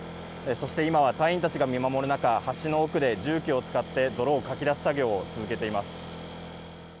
今は隊員たちが橋の奥で重機を使って泥をかき出す作業を行っています。